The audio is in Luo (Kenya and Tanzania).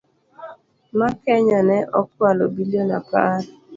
Ma Kenya ne okwalo billion apar.